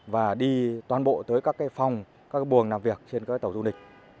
và đi toàn bộ tới các phòng các buồng làm việc trên các tàu du lịch